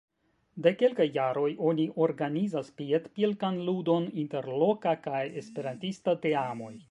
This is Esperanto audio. De kelkaj jaroj, oni organizas piedpilkan ludon inter loka kaj esperantista teamoj.